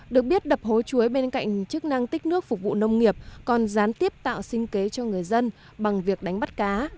được biết đập hố chuối bên cạnh chức năng tích nước phục vụ nông nghiệp còn gián tiếp tạo sinh kế cho người dân bằng việc đánh bắt cá